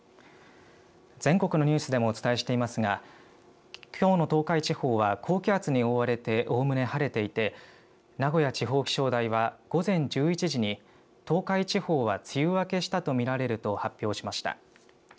全国のニュースでもお伝えしていますがきょうの東海地方は高気圧に覆われておおむね晴れていて名古屋地方気象台は午前１１時に東海地方は梅雨明けしたと見られると発表しました。